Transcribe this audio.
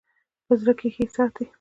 په زړه کښې ساتي--